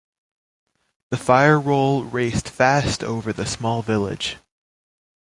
The fire roll raced fast over the small village.